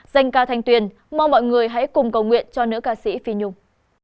dành ca thanh tuyền mong mọi người hãy cùng cầu nguyện cho nữ ca sĩ phi nhung